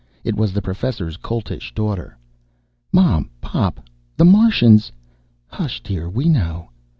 It was the Professor's Coltish Daughter. "Mom, Pop, the Martian's " "Hush, dear. We know."